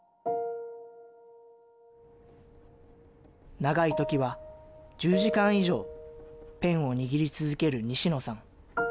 長いときは１０時間以上、ペンを握り続ける西野さん。